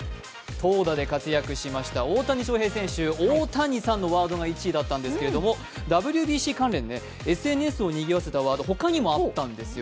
投打で活躍しました大谷翔平選手、オオタニサンのワードが１位だったんですけれどもＷＢＣ関連でＳＮＳをにぎわせたワード、他にもあったんですよ。